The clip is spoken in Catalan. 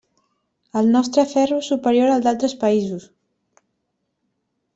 El nostre ferro és superior al d'altres països.